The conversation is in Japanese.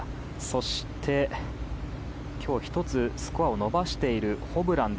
そして、今日１つスコアを伸ばしているホブラン。